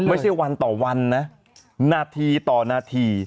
ไม่ใช่วันต่อวันนะนาทีต่อนาที